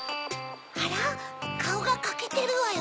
あらカオがかけてるわよ。